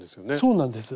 そうなんです。